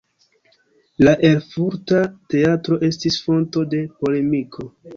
La Erfurta Teatro estis fonto de polemiko.